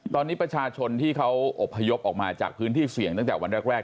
ตอนนี้ประชาชนที่เขาอบพยพออกมาจากพื้นที่เสี่ยงตั้งแต่วันแรก